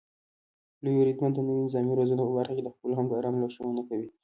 لومړی بریدمن د نويو نظامي روزنو په برخه کې د خپلو همکارانو لارښونه کوي.